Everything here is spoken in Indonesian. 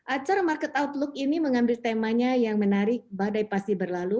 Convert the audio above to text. acara market outlook ini mengambil temanya yang menarik badai pasti berlalu